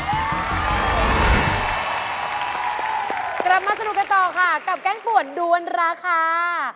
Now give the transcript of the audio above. กลับมาสนุกกันต่อค่ะกับแกงปวดด้วนราคา